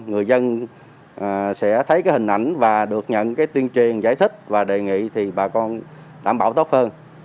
người dân sẽ thấy cái hình ảnh và được nhận cái tuyên truyền giải thích và đề nghị thì bà con đảm bảo tốt hơn